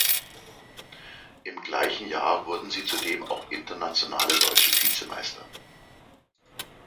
Im gleichen Jahr wurden sie zudem auch Internationale Deutsche Vizemeister.